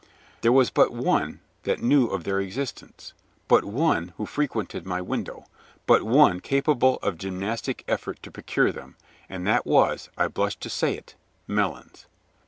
There was but one that knew of their existence, but one who frequented my window, but one capable of gymnastic effort to procure them, and that was I blush to say it Melons.